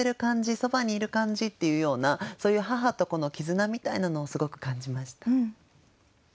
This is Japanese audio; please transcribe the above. そばにいる感じっていうようなそういう母と子の絆みたいなのをすごく感じました。